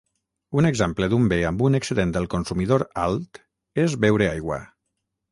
Un exemple d"un bé amb un excedent del consumidor alt és beure aigua.